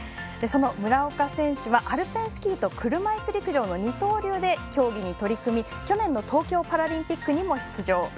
その村岡選手はアルペンスキーと車いす陸上の二刀流で競技に取り組み、去年の東京パラリンピックにも出場。